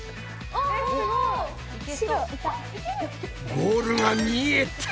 ゴールが見えたぞ。